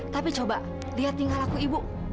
tapi coba lihat tinggal laku ibu